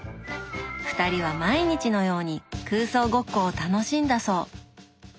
２人は毎日のように空想ごっこを楽しんだそう。